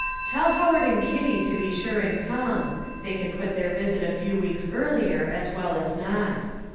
"Tell Howard and Kitty to be sure and come; they can put their visit a few weeks earlier as well as not.